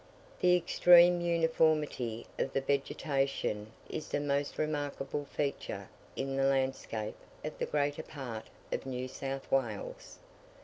The extreme uniformity of the vegetation is the most remarkable feature in the landscape of the greater part of New South Wales.